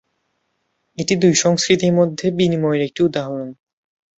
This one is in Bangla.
এটি দুই সংস্কৃতির মধ্যে বিনিময়ের একটি উদাহরণ।